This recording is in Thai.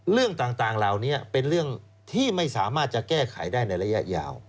เรื่องต่างเหล่านี้เป็นเรื่องที่ไม่สามารถจะแก้ไขได้ในระยะยาว